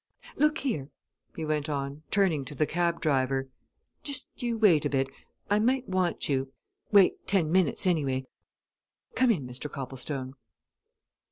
Look here!" he went on, turning to the cab driver, "just you wait a bit I might want you; wait ten minutes, anyway. Come in, Mr. Copplestone."